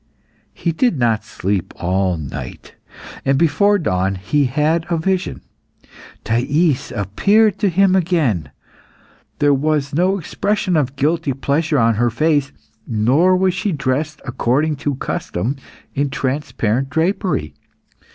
He did not sleep all night, and before dawn he had a vision. Thais appeared to him again. There was no expression of guilty pleasure on her face, nor was she dressed according to custom in transparent drapery.